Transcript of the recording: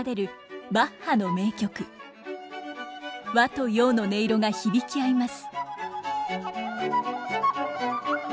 和と洋の音色が響き合います。